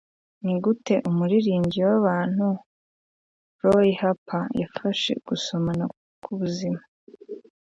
Nigute umuririmbyi wabantu Roy Harper yafashe Gusomana kwubuzima